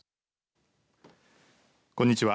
こんにちは。